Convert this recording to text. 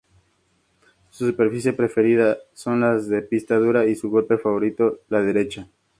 Su superficie preferida son las de pista dura y su golpe favorito la derecha.